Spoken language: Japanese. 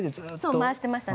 そう回してましたね。